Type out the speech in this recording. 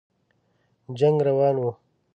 جنګ روان وو.